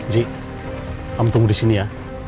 ji kamu tunggu di sini ya